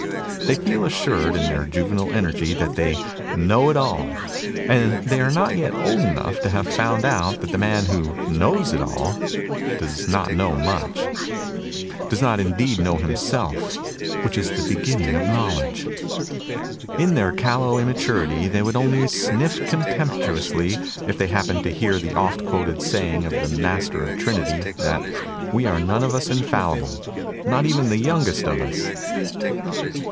They feel assured in their juvenile energy that they "know it all;" and they are not yet old enough to have found out that the man who "knows it all'* does not know much, does not indeed know himself, which is the be ginning of knowledge. In their callow imma turity they would only sniff contemptuously if they happened to hear the oft quoted saying of the Master of Trinity, that "we are none of us infallible not even the youngest of us."